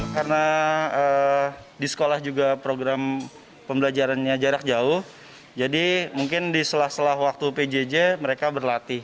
karena di sekolah juga program pembelajarannya jarak jauh jadi mungkin di selah selah waktu pjj mereka berlatih